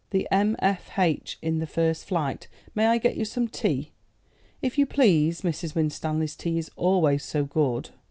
"The M. F. H.? In the first flight. May I get you some tea?" "If you please. Mrs. Winstanley's tea is always so good."